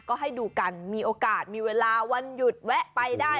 ก็ให้ดูกันมีโอกาสมีเวลาวันหยุดแวะไปได้